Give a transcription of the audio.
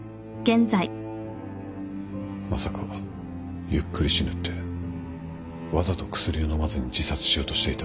まさか「ゆっくり死ぬ」ってわざと薬を飲まずに自殺しようとしていた？